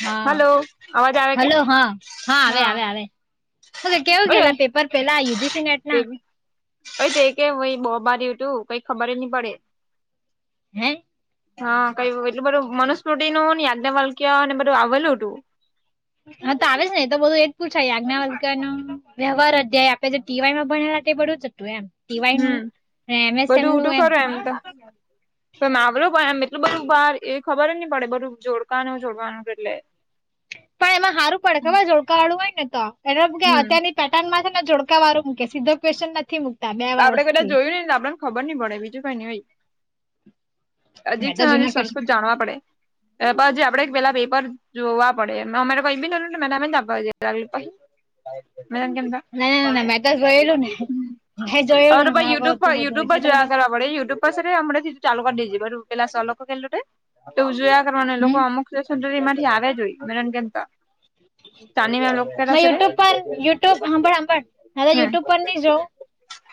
હા hello hello અવાજ આવે કે હલો હા આવે હા આવે આવે કેવું ગયેલા પેપર પેલા યુજીસી નેટના તો કેમ ભ બહુ બારું તું કઈ ખબર નહી પડે હે હા કઈ એટલું બધું મન [unintelligible] વાલ્ક્ય ને બધું આવેલું હતું. હા તો આવે જ ને તો બધું એ જ પૂછાય આજ્ઞા વલકા નો વ્યવહાર અધ્યાય આપે છે. ટીવાયમાં ભણેલા તે બધું જ હતું એમ. ટીવાય હમ નું બધું એમએસએમ નું ઊટું કરું એમ તો તો એ મા આવડમ એટલું બધું બહાર એ ખબર જ નહી પડે બધું જોડકાનું જોડવાનું એટલે પણ એમાં સારું પડે ખબર જોળકાવાળું હોય ને તો એ હમ અત્યારની પેટર્નમાં ને જોડકા વાળ મૂકે સીધો ક્વેશ્ન નથી મૂકે આપડે પેલા જોયું ને આપડ ખબર નહીં પડે બીજું કઈ ની હોય અજીક મેં તો છેન અજી જૂના ક્વેશ્ચન સંસ્કૃત જાણવા પડે. પછી આપડે એક પેલા પેપર જોવા પડે અમે કઈ બી નતો તો મેં તો આપવા જેય લાગલી પહી મેં એમ કેમ તો. ના ના મેં તો જોયેલું ને. મેં હવે જોયેલું તો ને મેં ભાઈ યુટ્યુબ હતું પર બધું યુટ્યુબ પર એટલે તમે જોયા કરવા પડે યુટ્યુબ પસી તહી હમણેથી જ ચાલુકર દેજે બરું પેલા સર લોકો કરલુ તે તેવું જોયા કરવાનું હમ અમુક દે તો તેમાંથી આવે જો હોય મેં તને કેમતો. શાનીવાલુ લોક પેલા મેં શે તે યુટ્યુબ પર યુટ્યુબ હાંભળ હાંભળ હવે હમ્મ. યુટ્યુબ પર ની જોઉં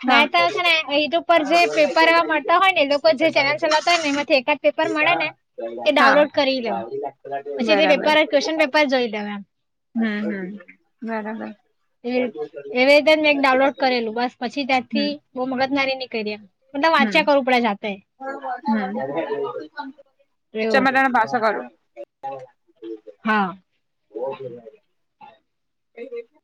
હ મેં તો છે ને યુટ્યુબ ઉપર જે પેપર એવા મળતાં હોય ને એ લોકો જે ચેનલ ચલાવતાં હોય ને એમાંથી એકાદ પેપર મળે ને તે ડાઉનલોડ કરી હા લેવું પછી તે પેપર ક્વેશ્ચન પેપર જોઈ લેવ એમ. હા હા બરાબર. એવી રીતે જ મેં એક ડાઉનલોડ કરેલું બસ પછી ત્યારથી બઉ મગજ ની કયરી એમ. મતલબ હમ્મ વાંચ્યા કરવું પડે જાતે હમ્મ. ચલ એવું મેં તને પાછો કરું. હા. ઓ